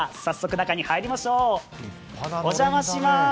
早速中に入りましょう。